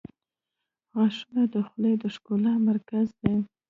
• غاښونه د خولې د ښکلا مرکز دي.